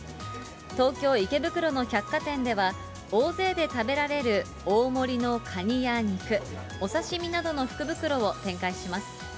東京・池袋の百貨店では、大勢で食べられる大盛りのカニや肉、お刺身などの福袋を展開します。